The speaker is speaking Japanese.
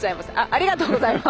ありがとうございます。